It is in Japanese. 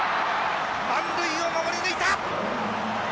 満塁を守り抜いた！